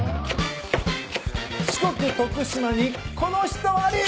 四国徳島にこの人あり！